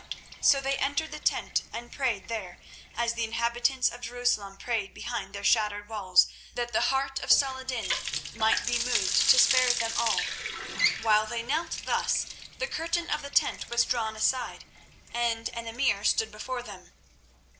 So they entered the tent and prayed there, as the inhabitants of Jerusalem prayed behind their shattered walls, that the heart of Saladin might be moved to spare them all. While they knelt thus the curtain of the tent was drawn aside, and an emir stood before them.